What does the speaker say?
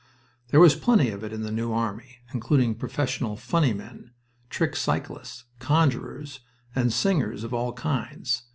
There was plenty of it in the New Army, including professional "funny men," trick cyclists, conjurers, and singers of all kinds.